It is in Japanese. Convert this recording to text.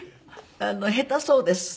下手そうです。